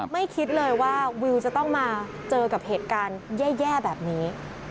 คิดเลยว่าวิวจะต้องมาเจอกับเหตุการณ์แย่แบบนี้